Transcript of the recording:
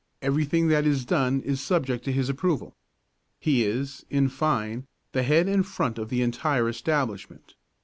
Everything that is done is subject to his approval. He is, in fine, the head and front of the entire establishment.